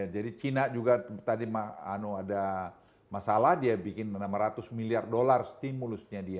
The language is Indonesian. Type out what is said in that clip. jadi cina juga tadi ada masalah dia bikin enam ratus miliar dolar stimulusnya dia